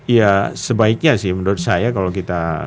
ya sebaiknya sih menurut saya kalau kita